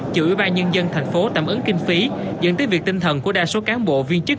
chịu ủy ban nhân dân tp hcm tạm ứng kinh phí dẫn tới việc tinh thần của đa số cán bộ viên chức